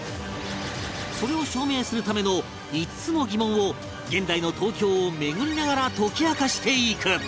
それを証明するための５つの疑問を現代の東京を巡りながら解き明かしていく